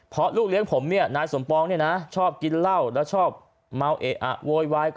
เพราะลูกเลี้ยงผมนายสงปรองชอบกินเหล้าและชอบโว๊ยวาย